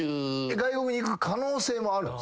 外国に行く可能性もあるんすか？